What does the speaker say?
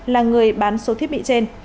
là người bán số thiết bị trên